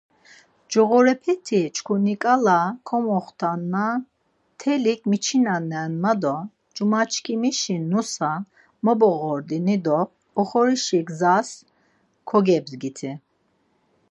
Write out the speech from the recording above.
Coğorepeti çkuniǩala komextanna mtelik miçinanen ma do cumadiçkimişi nusa moboğerdini do oxorişi gzas kogebdgiti.